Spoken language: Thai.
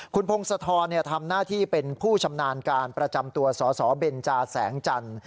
คุณพงศธรทำหน้าที่เป็นผู้ชำนาญการประจำตัวสสเบนจาแสงจันทร์